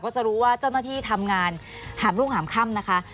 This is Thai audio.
จะรู้ว่าเจ้าหน้าที่ทำงานหามรุ่งหามค่ำนะคะ